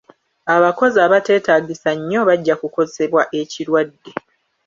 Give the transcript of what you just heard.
Abakozi abatetaagisa nnyo bajja kukosebwa ekirwadde.